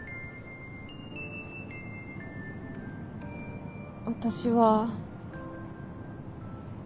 私は。